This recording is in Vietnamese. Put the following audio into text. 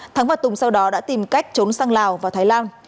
thắng và tùng sau đó đã tìm cách trốn sang lào và thái lan